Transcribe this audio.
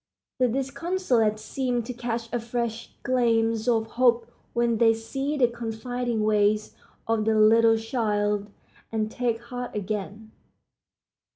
The disconsolate seem to catch a fresh gleam of hope when they see the confiding ways of the little child, and take heart again.